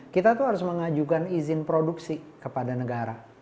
kita tuh harus mengajukan izin produksi kepada negara